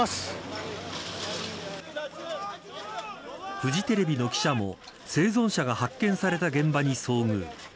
フジテレビの記者も生存者が発見された現場に遭遇。